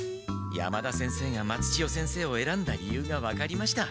山田先生が松千代先生をえらんだ理由が分かりました。